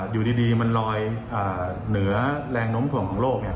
อยู่ดีมันลอยเหนือแรงน้มถ่วงของโลก